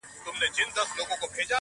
او دا نوښت دی